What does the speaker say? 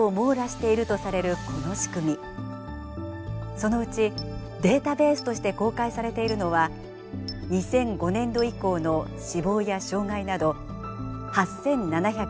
そのうちデータベースとして公開されているのは２００５年度以降の死亡や障害など８，７２９件です。